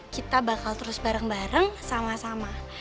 kita bakal terus bareng bareng sama sama